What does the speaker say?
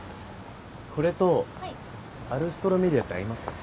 これとアルストロメリアって合いますかね？